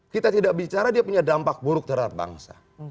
kita tidak bicara dia punya dampak buruk terhadap bangsa